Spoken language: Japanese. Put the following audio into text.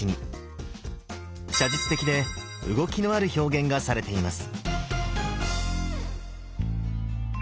写実的で動きのある表現がされています。